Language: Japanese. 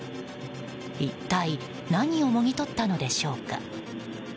一体何をもぎ取ったのでしょうか。